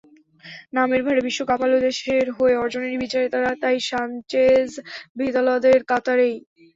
নামের ভারে বিশ্ব কাঁপালেও দেশের হয়ে অর্জনের বিচারে তাঁরা তাই সানচেজ-ভিদালদের কাতারেই।